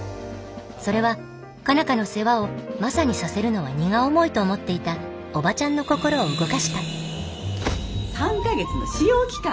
それは佳奈花の世話をマサにさせるのは荷が重いと思っていたオバチャンの心を動かした３か月の試用期間。